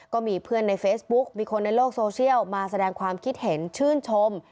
ก็มีเพื่อนในเฟซบุ๊กมีคนในโลกโซเชียลมาแสดงความคิดเห็นชื่นชม